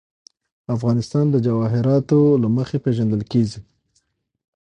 افغانستان د جواهرات له مخې پېژندل کېږي.